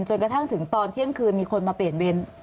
จนกระทั่งถึงตอนเที่ยงคืนมีคนมาเปลี่ยนเวร